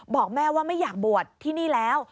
บอกแม่ว่าไม่อยากบวชที่นี่แล้ว